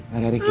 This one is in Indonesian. gak ada riki